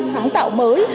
sáng tạo mới